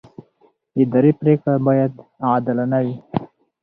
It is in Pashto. اداري پرېکړه باید عادلانه وي.